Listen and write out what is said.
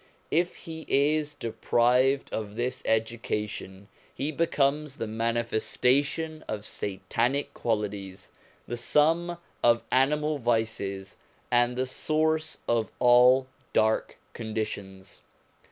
If he is deprived of this education he becomes the manifestation of satanic qualities, the sum of animal vices, and the source of all dark conditions.